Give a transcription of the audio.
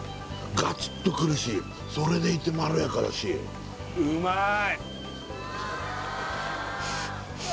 ガツッとくるしそれでいてまろやかだしうまい！